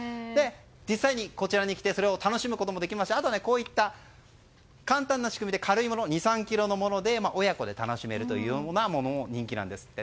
実際、こちらに来てそれを楽しむこともできますしあとは簡単な仕組みで軽いもの２３ｋｇのもので親子で楽しめるというものも人気なんですって。